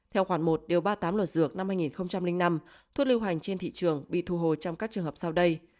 theo khoản một điều ba mươi tám luật dược năm hai nghìn năm thuốc lưu hành trên thị trường bị thu hồi trong các trường hợp sau đây